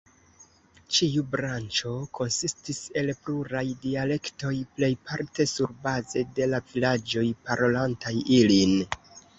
Ĉiu branĉo konsistis el pluraj dialektoj, plejparte surbaze de la vilaĝoj parolantaj ilin.